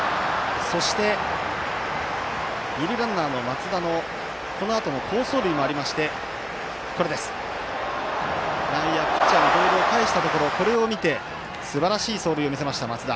そして、二塁ランナーの松田のこのあとの好走塁もありまして内野、ピッチャーにボールを返したところこれを見てすばらしい走塁を見せた松田。